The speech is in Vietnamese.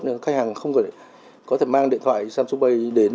nên khách hàng không có thể mang điện thoại samsung pay đến